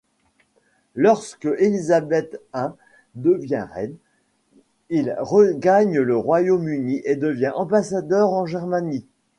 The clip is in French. Lorsque Elisabeth I devient reine, il regagne le Royaume-Uni et devient ambassadeur en Germanie.